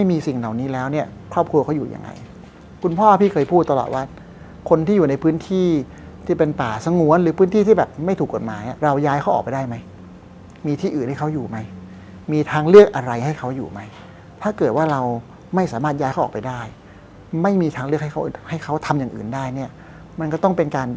มีสิ่งเหล่านี้แล้วเนี่ยครอบครัวเขาอยู่ยังไงคุณพ่อพี่เคยพูดตลอดว่าคนที่อยู่ในพื้นที่ที่เป็นป่าสงวนหรือพื้นที่ที่แบบไม่ถูกกฎหมายเราย้ายเขาออกไปได้ไหมมีที่อื่นให้เขาอยู่ไหมมีทางเลือกอะไรให้เขาอยู่ไหมถ้าเกิดว่าเราไม่สามารถย้ายเขาออกไปได้ไม่มีทางเลือกให้เขาให้เขาทำอย่างอื่นได้เนี่ยมันก็ต้องเป็นการ